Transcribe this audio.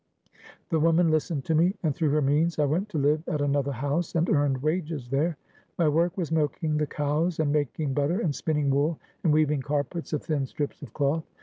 "The woman listened to me, and through her means I went to live at another house, and earned wages there. My work was milking the cows, and making butter, and spinning wool, and weaving carpets of thin strips of cloth.